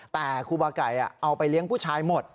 แต่ครูบาไก่เอาไปเลี้ยงผู้ชายหมด